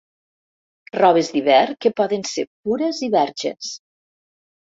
Robes d'hivern que poden ser pures i verges.